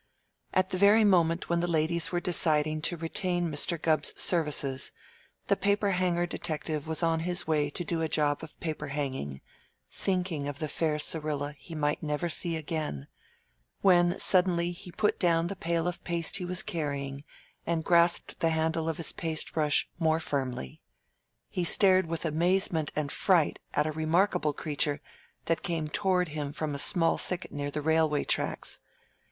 At the very moment when the ladies were deciding to retain Mr. Gubb's services the paper hanger detective was on his way to do a job of paper hanging, thinking of the fair Syrilla he might never see again, when suddenly he put down the pail of paste he was carrying and grasped the handle of his paste brush more firmly. He stared with amazement and fright at a remarkable creature that came toward him from a small thicket near the railway tracks.